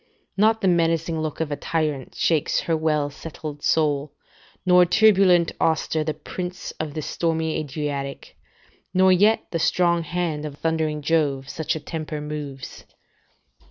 ["Not the menacing look of a tyrant shakes her well settled soul, nor turbulent Auster, the prince of the stormy Adriatic, nor yet the strong hand of thundering Jove, such a temper moves."